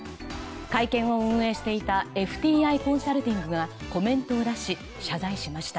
会見を運営していたＦＴＩコンサルティングがコメントを出し謝罪しました。